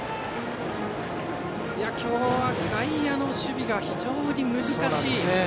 今日は外野の守備が非常に難しい。